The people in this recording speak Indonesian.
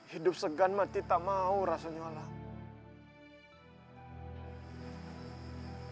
hidup segan mati tak mau rasanya alam